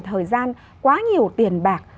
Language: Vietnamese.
thời gian quá nhiều tiền bạc